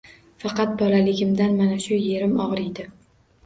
Faqat bolaligimdan mana shu yerim ogʻriydi.